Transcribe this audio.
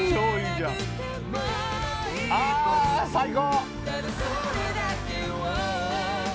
ああ最高！